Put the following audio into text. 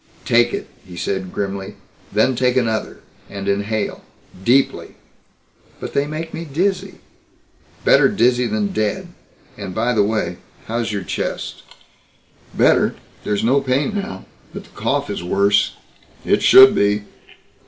"Take it," he said grimly, "then take another. And inhale. Deeply." "But they make me dizzy." "Better dizzy than dead. And, by the way how's your chest?" "Better. There's no pain now. But the cough is worse." "It should be."